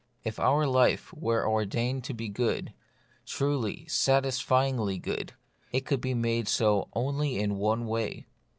If our life were ordained to be good, truly, satisfyingly good, it could be made so only in one way.